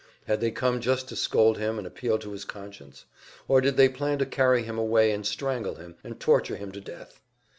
Had they come just to scold him and appeal to his conscience? Or did they plan to carry him away and strangle him and torture him to death?